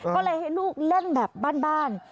ก็เลยให้ลูกเล่นแบบบ้าน